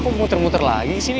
kok muter muter lagi sini